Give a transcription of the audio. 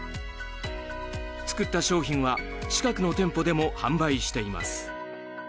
作った商品は近くの店舗でも販売しています。